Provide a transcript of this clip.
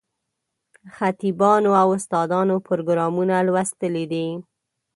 خطیبانو او استادانو پروګرامونه لوستلي دي.